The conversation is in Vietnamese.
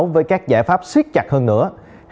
với các giải pháp siết chặt hơn nữa